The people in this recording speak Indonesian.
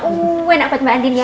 uuuh enak banget mbak andin ya